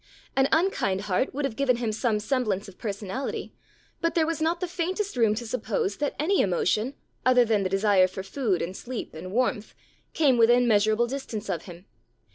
An unkind heart would have given him some semblance of per sonality, but there was not the faintest room to sup pose that any emotion, other than the desire for food and sleep and warmth, came within measurable 247 There Arose a King distance of him.